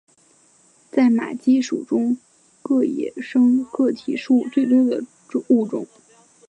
在马鸡属中个野生个体数最多的物种。